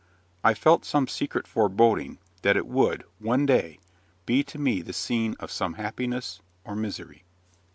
I felt some secret foreboding that it would, one day, be to me the scene of some happiness or misery.